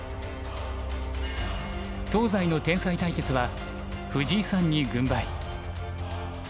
東西の天才対決は藤井さんに軍配。